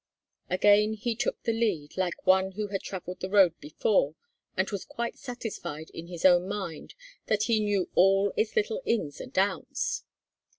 Again he took the lead, like one who had travelled the road before, and was quite satisfied in his own mind that he knew all its little ins and outs.